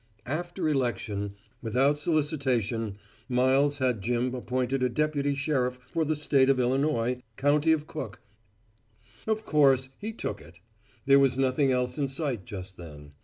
After election, without solicitation, Miles had Jim appointed a deputy sheriff for the State of Illinois, County of Cook, ss. Of course, he took it. There was nothing else in sight just then.